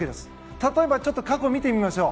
例えば、過去を見てみましょう。